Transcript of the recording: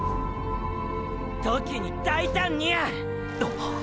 “時に大胆に”や！！！